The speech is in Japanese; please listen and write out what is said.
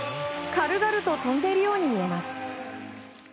軽々と跳んでいるように見えます。